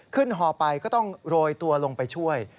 ฮอไปก็ต้องโรยตัวลงไปช่วย